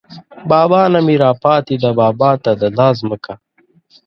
بابا نه مې راپاتې ده بابا ته ده دا ځمکه